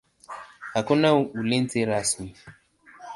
Hakuna ulinzi rasmi.